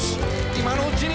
今のうちに」